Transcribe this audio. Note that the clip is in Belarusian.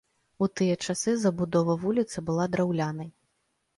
У тыя часы забудова вуліцы была драўлянай.